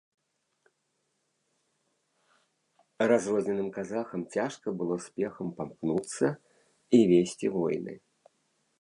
Разрозненым казахам цяжка было спехам памкнуцца і весці войны.